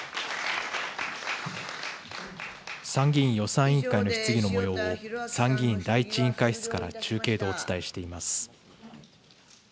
参議院予算委員会の質疑のもようを、参議院第１委員会室から中継でお伝えしています。